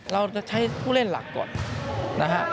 เราจะใช้ผู้เล่นหลักก่อนนะฮะ